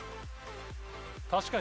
確かに。